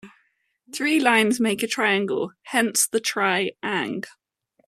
Three "Lines" make a triangle, hence the Tri-ang.